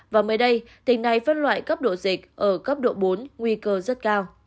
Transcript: và mới đây tỉnh này phân loại cấp độ dịch ở cấp độ bốn nguy cơ rất cao